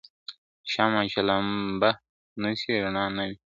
شمع چي لمبه نه سي رڼا نه وي ..